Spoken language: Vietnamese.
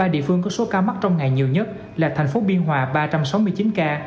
ba địa phương có số ca mắc trong ngày nhiều nhất là thành phố biên hòa ba trăm sáu mươi chín ca